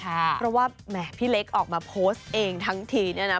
เพราะว่าแหมพี่เล็กออกมาโพสต์เองทั้งทีเนี่ยนะ